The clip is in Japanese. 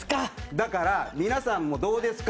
だから、皆さんもどうですか？